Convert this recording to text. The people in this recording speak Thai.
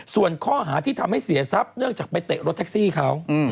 ส่วนข้อหาที่ทำให้เสียทรัพย์เนื่องจากไปเตะรถแท็กซี่เขา